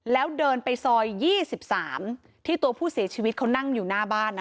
แล้วเดินไปซอย๒๓ที่ตัวผู้เสียชีวิตเขานั่งอยู่หน้าบ้าน